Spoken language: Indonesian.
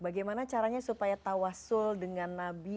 bagaimana caranya supaya tawasul dengan nabi